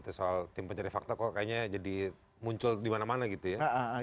itu kan soal tim pencari fakta kok kayaknya jadi muncul dimana mana gitu ya